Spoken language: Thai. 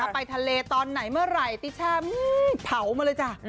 ไปทะเลตอนไหนเมื่อไหร่ติช่าเผามาเลยจ้ะ